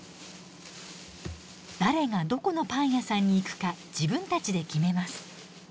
誰がどこのパン屋さんに行くか自分たちで決めます。